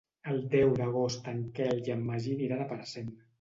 El deu d'agost en Quel i en Magí aniran a Parcent.